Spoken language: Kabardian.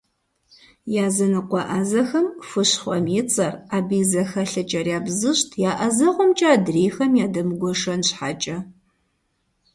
Языныкъуэ ӏэзэхэм хущхъуэм и цӏэр, абы и зэхэлъхьэкӏэр ябзыщӏт, я ӏэзэгъуэмкӏэ адрейхэм ядэмыгуэшэн щхьэкӏэ.